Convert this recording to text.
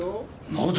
なぜ？